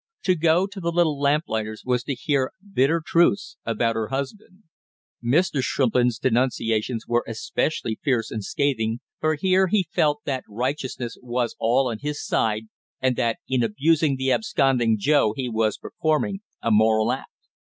To go to the little lamplighter's was to hear bitter truths about her husband; Mr. Shrimplin's denunciations were especially fierce and scathing, for here he felt that righteousness was all on his side and that in abusing the absconding Joe he was performing a moral act.